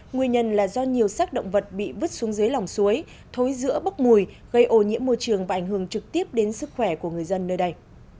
nguyên nhân là do nhiều sắc động vật bị vứt xuống dưới lòng suối thối giữa bốc mùi gây ô nhiễm môi trường và ảnh hưởng trực tiếp đến sức khỏe của người dân nơi đây